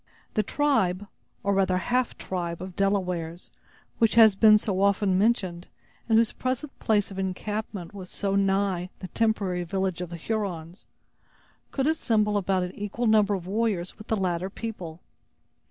The tribe, or rather half tribe, of Delawares, which has been so often mentioned, and whose present place of encampment was so nigh the temporary village of the Hurons, could assemble about an equal number of warriors with the latter people.